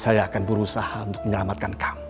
saya akan berusaha untuk menyelamatkan kamu